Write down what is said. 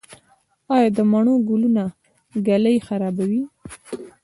آیا د مڼو ګلونه ږلۍ خرابوي؟